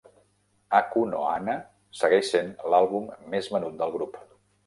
"Aku no Hana" segueix sent l'àlbum més venut del grup.